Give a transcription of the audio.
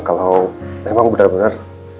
kalau memang benar benar